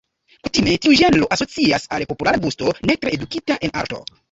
Kutime tiu ĝenro asocias al populara gusto, ne tre edukita en arto.